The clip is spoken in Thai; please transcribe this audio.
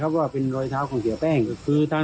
และก็คือว่าถึงแม้วันนี้จะพบรอยเท้าเสียแป้งจริงไหม